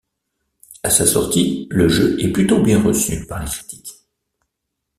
À sa sortie, le jeu est plutôt bien reçu par les critiques.